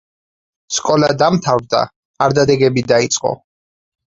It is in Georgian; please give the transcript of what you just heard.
სკოლა დამთავრდა, არდადეგები დაიწყო.